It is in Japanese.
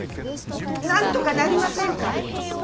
なんとかなりませんか？